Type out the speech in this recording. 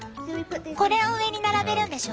これを上に並べるんでしょ？